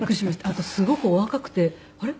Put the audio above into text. あとすごくお若くてあれ？